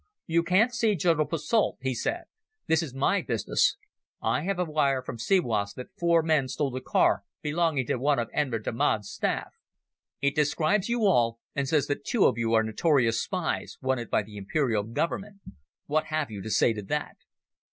"You can't see General Posselt," he said; "this is my business. I have a wire from Siwas that four men stole a car belonging to one of Enver Damad's staff. It describes you all, and says that two of you are notorious spies wanted by the Imperial Government. What have you to say to that?"